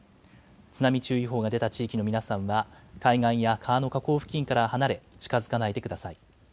津波注意報が出た地域の皆さんは海岸や川の河口付近から離れ近づかないでください。